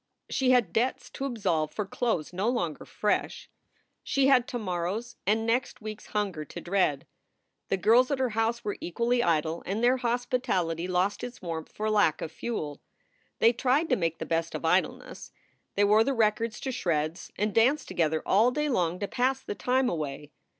She had debts to absolve for clothes no longer fresh. She had to morrow s i82 SOULS FOR SALE and next week s hunger to dread. The girls at her house were equally idle and their hospitality lost its warmth for lack of fuel. They tried to make the best of idleness. They wore the records to shreds and danced together all day long to pass the time away.